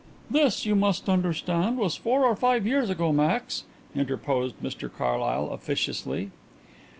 "This, you must understand, was four or five years ago, Max," interposed Mr Carlyle officiously.